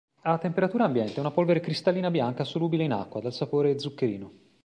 A temperatura ambiente è una polvere cristallina bianca solubile in acqua, dal sapore zuccherino.